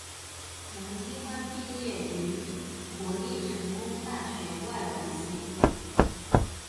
杨基宽毕业于国立成功大学外文系。